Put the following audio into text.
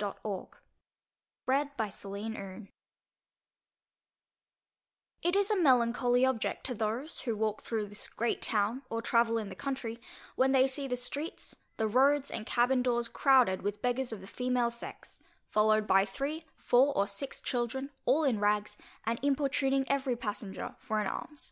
by Dr. Jonathan Swift 1729 It is a melancholy object to those, who walk through this great town, or travel in the country, when they see the streets, the roads, and cabbin doors crowded with beggars of the female sex, followed by three, four, or six children, all in rags, and importuning every passenger for an alms.